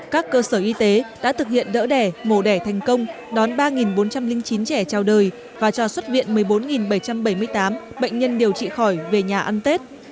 các cơ sở y tế đã thực hiện đỡ đẻ mổ đẻ thành công đón ba bốn trăm linh chín trẻ trao đời và cho xuất viện một mươi bốn bảy trăm bảy mươi tám bệnh nhân điều trị khỏi về nhà ăn tết